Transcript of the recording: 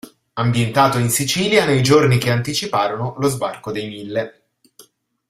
Ambientato in Sicilia nei giorni che anticiparono lo sbarco dei Mille.